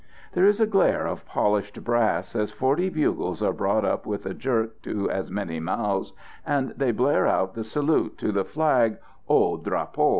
There is a glare of polished brass, as forty bugles are brought up with a jerk to as many mouths, and they blare out the salute to the flag "Au Drapeau."